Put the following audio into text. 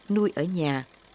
nui ở nhà